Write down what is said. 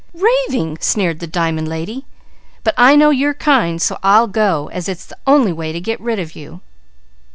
"'Raving!' sneered the dimun lady. 'But I know your kind so I'll go, as it's the only way to get rid of you.'